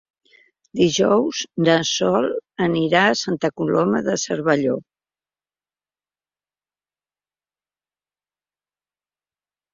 Dijous na Sol anirà a Santa Coloma de Cervelló.